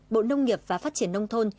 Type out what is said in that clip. ba bộ nông nghiệp và phát triển nông thôn